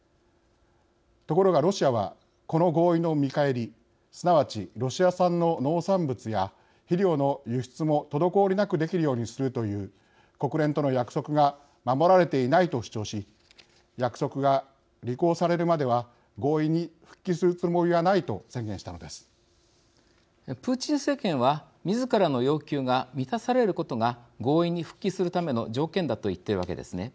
ところが、ロシアはこの合意の見返り、すなわちロシア産の農産物や肥料の輸出も滞りなくできるようにするという国連との約束が守られていないと主張し約束が履行されるまでは合意に復帰するつもりはないとプーチン政権はみずからの要求が満たされることが合意に復帰するための条件だと言っているわけですね。